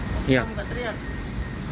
kenapa nggak teriak